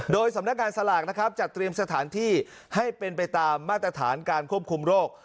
โดยสำนักงานสลากนะครับจัดเตรียมสถานที่ให้เป็นไปตามมาตรฐานการควบคุมโรค